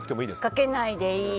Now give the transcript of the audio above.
かけないでいい。